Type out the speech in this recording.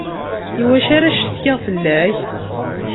Iwacu ara ccetkiɣ fella-k?